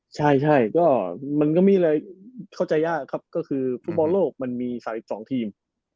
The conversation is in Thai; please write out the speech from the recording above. ใช่ก็มันก็มีอะไรเข้าใจยากครับก็คือฟุตบอลโลกมันมี๓๒ทีม